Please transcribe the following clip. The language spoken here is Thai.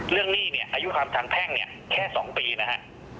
เรื่องหนี้เนี่ยอายุความสารแพงเนี่ยแค่๒ปีนะฮะ